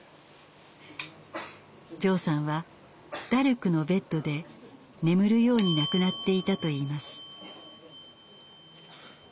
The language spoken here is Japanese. ジョーさんはダルクのベッドで眠るように亡くなっていたといいます。